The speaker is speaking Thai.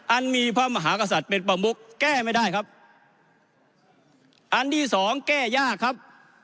อันมีพระมหากษัตริย์เป็นประมุกแก้ไม่ได้ครับอันที่สองแก้ยากครับ